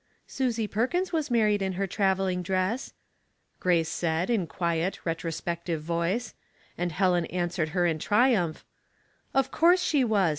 *' Susy Perkins was married in her traveling dress," Grace said, in quiet, retrospective voice ; and Helen answered her in triumph, —" Of course she was.